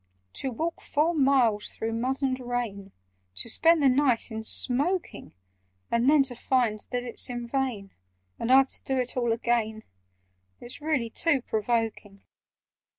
"To walk four miles through mud and rain, To spend the night in smoking, And then to find that it's in vain— And I've to do it all again— It's really too provoking!